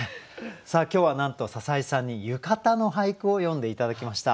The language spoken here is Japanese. さあ今日はなんと篠井さんに「浴衣」の俳句を詠んで頂きました。